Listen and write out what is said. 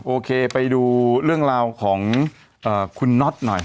โอเคไปดูเรื่องราวของคุณน็อตหน่อย